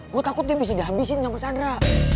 gue takut dia bisa dihabisin nyamper cadra